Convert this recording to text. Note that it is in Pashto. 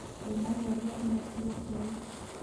لمر وړیا انرژي ورکوي.